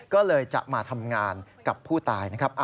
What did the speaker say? ก็เลยจะมาทำงานกับผู้ตายนะครับ